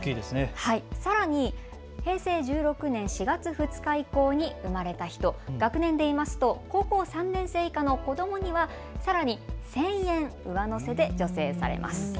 さらに平成１６年４月２日以降に生まれた人、学年でいいますと高校３年生以下の子どもにはさらに１０００円上乗せで助成されます。